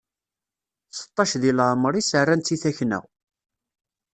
Seṭṭac di leɛmer-is, rran-tt i takna!